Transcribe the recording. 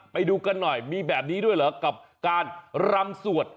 ไปดูกันหน่อยมีแบบนี้ด้วยเหรอกับการรำสวด